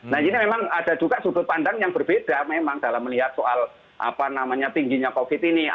nah ini memang ada juga sudut pandang yang berbeda memang dalam melihat soal apa namanya tingginya covid ini